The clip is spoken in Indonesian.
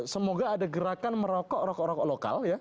semoga ada gerakan merokok rokok lokal